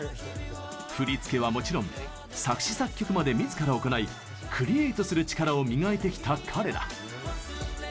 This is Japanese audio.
振り付けはもちろん作詞・作曲までみずから行いクリエイトする力を磨いてきた彼ら。